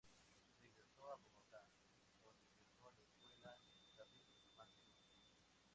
Regresó a Bogotá, donde ingresó en la escuela "David Manzur".